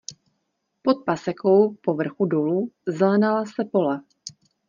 Pod pasekou po vrchu dolů zelenala se pole.